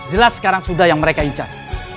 jelas sekarang sudah yang mereka incar